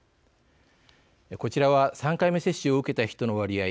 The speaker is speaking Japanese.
こちらは３回目接種を受けた人の割合